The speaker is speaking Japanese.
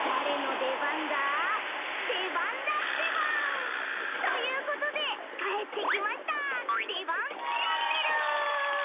出番だデバン！ということで帰ってきました『デバンチャンネル』！